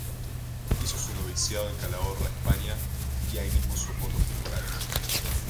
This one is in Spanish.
Hizo su Noviciado en Calahorra, España y ahí mismo sus votos temporales.